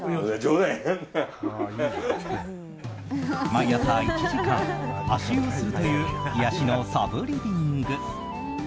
毎朝１時間、足湯をするという癒やしのサブリビング。